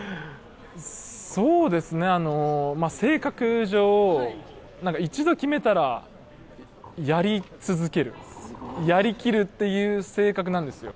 そうですね、性格上、一度決めたらやり続ける、やりきるっていう性格なんですよ。